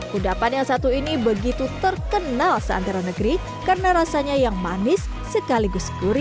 kudapan yang satu ini begitu terkenal seantero negeri karena rasanya yang manis sekaligus gurih